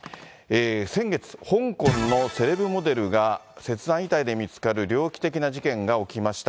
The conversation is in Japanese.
先月、香港のセレブモデルが切断遺体で見つかる猟奇的な事件が起きました。